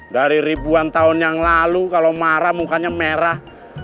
dari ribuan tahun yang lalu kalau marah mukanya merah